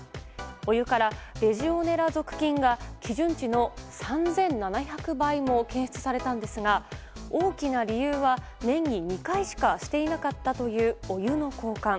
お湯からレジオネラ属菌が基準値の３７００倍も検出されたんですが大きな理由は、年に２回しかしていなかったというお湯の交換。